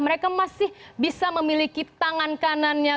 mereka masih bisa memiliki tangan kanannya